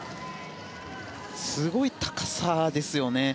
すごい高さですね。